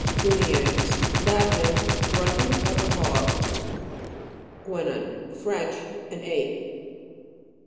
GRUNNIENS. Latin. Grunting like a hog. GUENON. French. An ape.